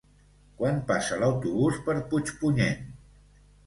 Quan passa l'autobús per Puigpunyent?